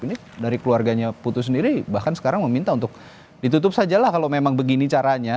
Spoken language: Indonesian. ini dari keluarganya putu sendiri bahkan sekarang meminta untuk ditutup sajalah kalau memang begini caranya